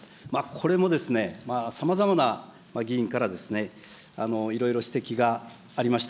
これもですね、さまざまな議員からいろいろ指摘がありました。